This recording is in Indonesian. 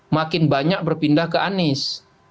makin banyak berpindah ke anies